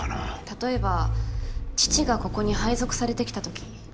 例えば父がここに配属されてきた時。